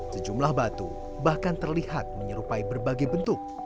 sejumlah batu bahkan terlihat menyerupai berbagai bentuk